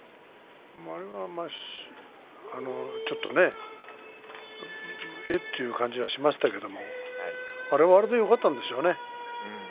あれはちょっとねえっ？という感じがしましたけどあれはあれでよかったんでしょうね。